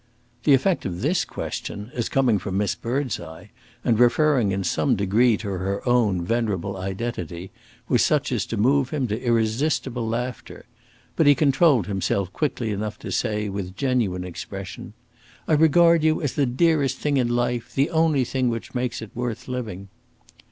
The effect of this question, as coming from Miss Birdseye, and referring in some degree to her own venerable identity, was such as to move him to irresistible laughter. But he controlled himself quickly enough to say, with genuine expression, "I regard you as the dearest thing in life, the only thing which makes it worth living!"